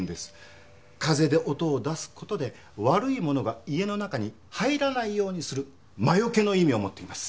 風で音を出す事で悪いものが家の中に入らないようにする魔除けの意味を持っています。